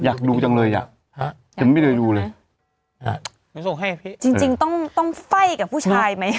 อยากดูจังเลยอ่ะฮะยังไม่ได้ดูเลยไปส่งให้พี่จริงจริงต้องต้องไฟ่กับผู้ชายไหม